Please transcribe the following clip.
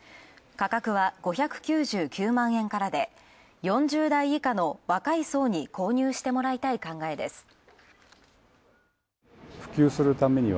価格は５９９万円からで４０代以下の若い層に購入してもらいたい考えです。